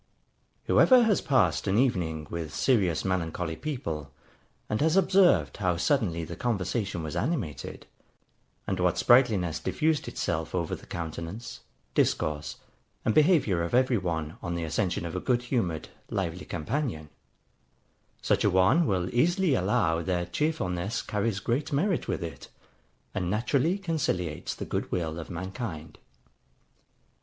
Whoever has passed an evening with serious melancholy people, and has observed how suddenly the conversation was animated, and what sprightliness diffused itself over the countenance, discourse, and behaviour of every one, on the accession of a good humoured, lively companion; such a one will easily allow that cheerfulness carries great merit with it, and naturally conciliates the good will of mankind.